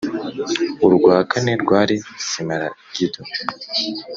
urwa kane rwari simaragido,